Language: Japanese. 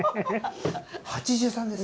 ８３ですか。